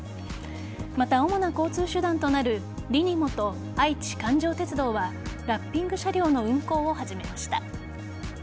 また主な交通手段となるリニモと愛知環状鉄道はラッピング車両の運行を始めました。